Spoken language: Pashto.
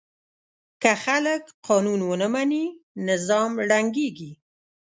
که خلک قانون ونه مني، نظام ړنګېږي.